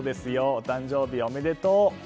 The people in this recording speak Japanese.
お誕生日おめでとう！